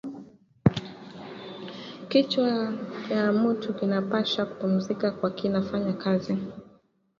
Kichwa kya mutu kinapashwa kupumuzika kama kina fanya kazi